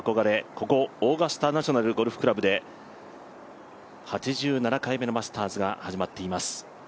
ここオーガスタ・ナショナル・ゴルフクラブで８７回目のマスターズが始まっています。